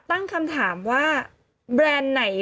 โอเคโอเคโอเค